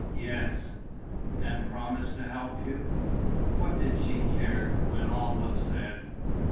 "Yes." "And promise to help you?" What did she care, when all was said?